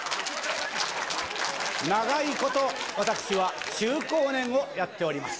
長いこと、私は中高年をやっております。